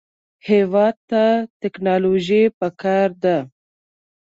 هېواد ته ټیکنالوژي پکار ده